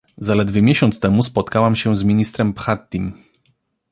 Zaledwie miesiąc temu spotkałam się z ministrem Bhattim